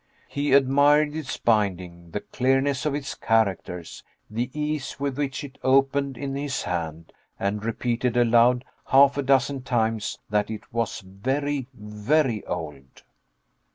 He admired its binding, the clearness of its characters, the ease with which it opened in his hand, and repeated aloud, half a dozen times, that it was very, very old.